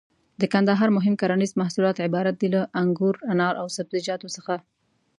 د کندهار مهم کرنيز محصولات عبارت دي له: انګور، انار او سبزيجاتو څخه.